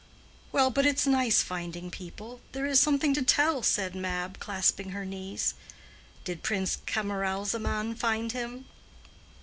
"Well, but it's nice finding people—there is something to tell," said Mab, clasping her knees. "Did Prince Camaralzaman find him?"